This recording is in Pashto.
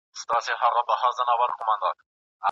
که مقررات نه وي ستونزې به رامنځته شي.